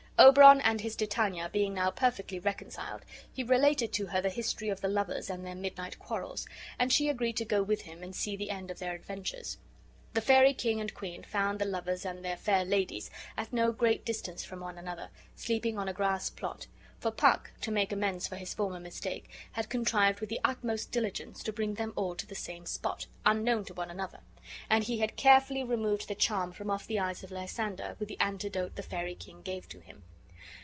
Oberon and his Titania being now perfectly reconciled, he related to her the history of the lovers and their midnight quarrels, and she agreed to go with him and see the end of their adventures. The fairy king and queen found the lovers and their fair ladies, at no great distance from one another, sleeping on a grass plot; for Puck, to make amends for his former mistake, had contrived with the utmost diligence to bring them all to the same spot, unknown to one another; and he bad carefully removed the charm from off the eyes of Lysander with the antidote the fairy king gave to him.